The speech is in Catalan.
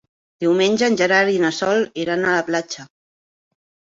Diumenge en Gerard i na Sol iran a la platja.